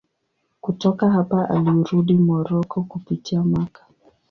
Kutoka hapa alirudi Moroko kupitia Makka.